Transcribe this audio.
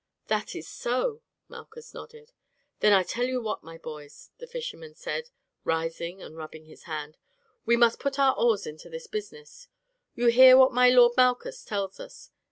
"That is so," Malchus nodded. "Then I tell you what, my boys," the fisherman said, rising and rubbing his hands, "we must put our oars into this business. You hear what my lord Malchus tells us.